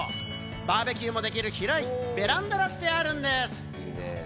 バーベキューもできる広いベランダだってあるんです。